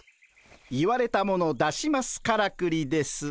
「言われたもの出しますからくり」です。